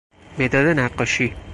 مداد نقاشی